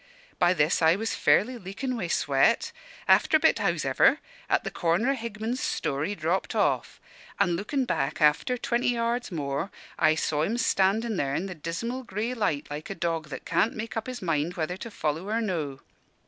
By this, I was fairly leakin' wi' sweat. After a bit, hows'ever, at the corner o' Higman's store, he dropped off; an' lookin' back after twenty yards more, I saw him standin' there in the dismal grey light like a dog that can't make up his mind whether to follow or no.